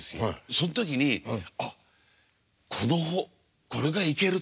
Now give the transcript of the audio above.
そん時にあっこれがいけると。